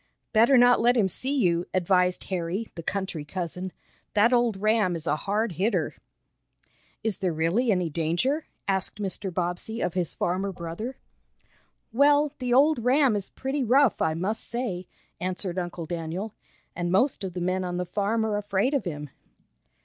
"Better not let him see you," advised Harry, the country cousin. "That old ram is a hard hitter." "Is there really any danger?" asked Mr. Bobbsey of his farmer brother. "Well, the old ram is pretty rough, I must say," answered Uncle Daniel, "and most of the men on the farm are afraid of him."